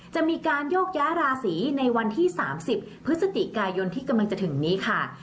จะมีการโยกย้ายราศีในวันที่๓๐พฤศจิกายนที่กำลังจะถึงนี้ค่ะ